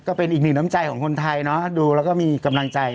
ก็เป็นอีกหนึ่งน้ำใจของคนไทยเนอะดูแล้วก็มีกำลังใจ